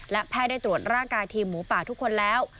และแพทย์ได้ตรวจร่างกายทีมหมูป่าทุกคนแล้ว